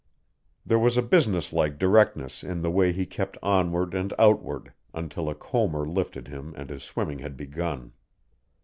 There was a businesslike directness in the way he kept onward and outward until a comber lifted him and his swimming had begun.